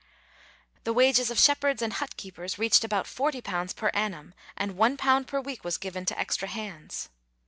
The wages of shepherds and hut keepers reached about 40 per annum, and 1 per week was given to extra hands.